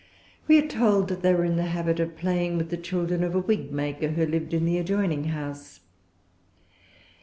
We are told that they were in the habit of playing with the children of a wigmaker who lived in the adjoining house.